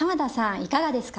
いかがですか？